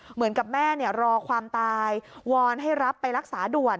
เหมือนกับแม่รอความตายวอนให้รับไปรักษาด่วน